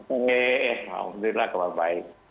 oke alhamdulillah kabar baik